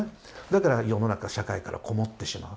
だから世の中社会から籠もってしまう。